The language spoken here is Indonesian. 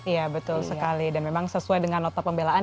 iya betul sekali dan memang sesuai dengan nota pembelaan